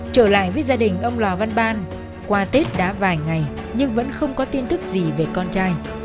trở lại với gia đình ông lò văn ban qua tết đã vài ngày nhưng vẫn không có tin thức gì về con trai